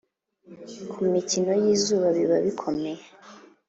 kumikino yizuba biba bikomeye